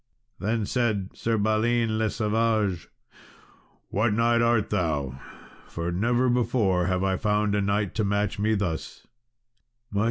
Then said Sir Balin le Savage, "What knight art thou? for never before have I found a knight to match me thus."